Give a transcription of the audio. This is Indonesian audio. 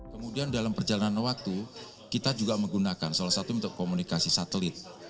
kemudian dalam perjalanan waktu kita juga menggunakan salah satu untuk komunikasi satelit